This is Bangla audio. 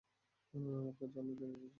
আমার কাজে অনেক দেরি করে ফেলছি।